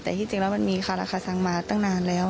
แต่ที่จริงแล้วมันมีคาราคาซังมาตั้งนานแล้ว